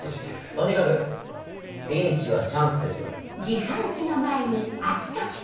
とにかくピンチはチャンスですよ。